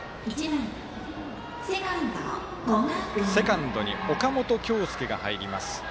セカンド、岡本京介が入ります。